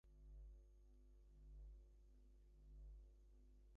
There is more than one stretch of road known as the Electric Brae.